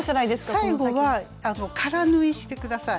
最後は空縫いして下さい。